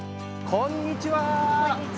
こんにちは。